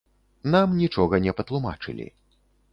Нам нічога не патлумачылі.